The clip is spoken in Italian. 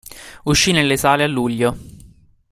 Uscì nelle sale a luglio.